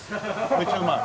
めちゃうまい。